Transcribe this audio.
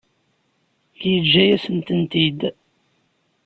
Yeǧǧa-yasent-tent-id.